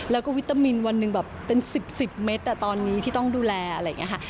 แล้วก็วิตามินวันหนึ่งแบบเป็น๑๐๑๐เมตรตอนนี้ที่ต้องดูแลอะไรอย่างนี้ค่ะ